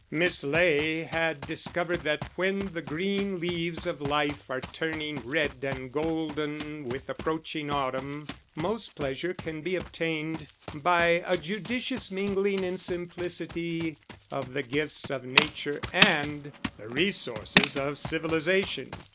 Miss Ley had discovered that when the green leaves of life are turning red and golden with approaching autumn, most pleasure can be obtained by a judicious mingling in simplicity of the gifts of nature and the resources of civilisation.